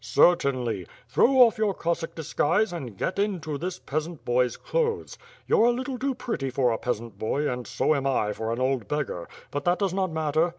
'^ "Certainly! Throw off your (^ossack disguise, and get into this peasant boy's clothes. You're a little too pretty for a peasant boy and so am 1 for an old beggar, but that does not matter.